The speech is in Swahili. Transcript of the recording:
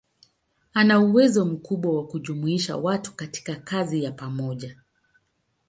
Ana uwezo mkubwa wa kujumuisha watu katika kazi ya pamoja.